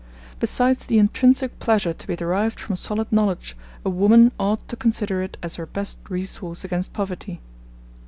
Besides the intrinsic pleasure to be derived from solid knowledge, a woman ought to consider it as her best resource against poverty.'